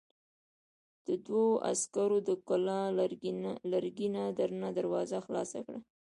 دوو عسکرو د کلا لرګينه درنه دروازه خلاصه کړه.